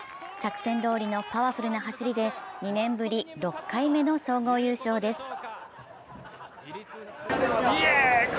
作戦どおりのパワフルな走りで２年ぶり、６回目の総合優勝です。